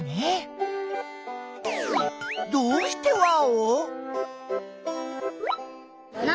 どうしてワオ？